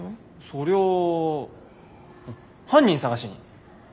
そりゃあ犯人捜しに。